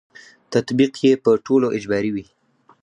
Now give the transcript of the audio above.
تطبیق یې په ټولو اجباري وي.